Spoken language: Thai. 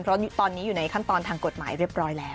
เพราะตอนนี้อยู่ในขั้นตอนทางกฎหมายเรียบร้อยแล้ว